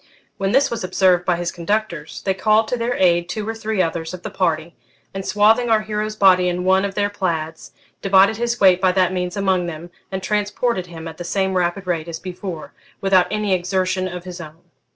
When this was observed by his conductors, they called to their aid two or three others of the party, and, swathing our hero's body in one of their plaids, divided his weight by that means among them, and transported him at the same rapid rate as before, without any exertion of his own.